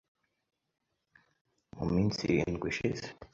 mu minsi irindwi ishize